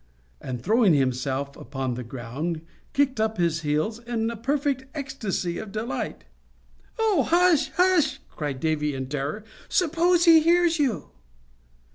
and, throwing himself upon the ground, kicked up his heels in a perfect ecstasy of delight. "Oh, hush, hush!" cried Davy, in terror. "Suppose he hears you!"